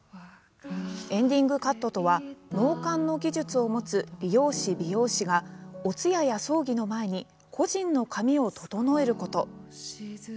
エンディングカットとは納棺の技術を持つ理容師、美容師がお通夜や葬儀の前に故人の髪を整えること。